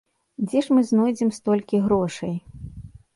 Дзе ж мы знойдзем столькі грошай?